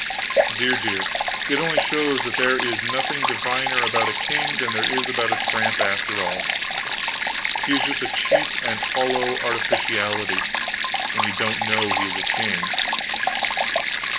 Dear, dear, it only shows that there is nothing diviner about a king than there is about a tramp, after all. He is just a cheap and hollow artificiality when you don't know he is a king.